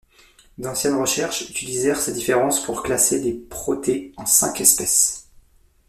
D’anciennes recherches utilisèrent ces différences pour classer les protées en cinq espèces.